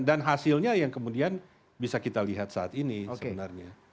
hasilnya yang kemudian bisa kita lihat saat ini sebenarnya